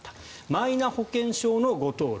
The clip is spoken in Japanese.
マイナ保険証の誤登録。